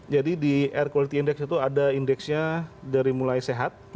jadi di air quality index itu ada indeksnya dari mulai sehat